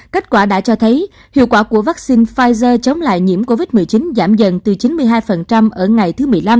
kết quả đã cho thấy hiệu quả của vaccine pfizer chống lại nhiễm covid một mươi chín giảm dần từ chín mươi hai ở ngày thứ một mươi năm